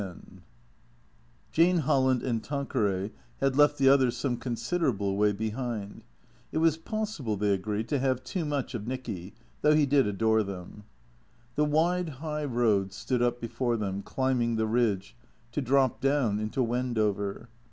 X JANE HOLLAND and Tanquery had left the others some considerable way behind. It was possible, they agreed, to have too much of Nicky, though he did adore them. The wide high road stood up before them, climbing the ridge, to drop down into Wendover.